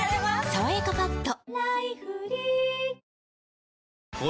「さわやかパッド」